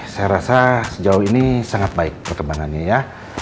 saya rasa sejauh ini sangat baik perkembangannya ya